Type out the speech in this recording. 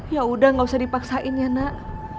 yaudah gak usah dipaksain ya nak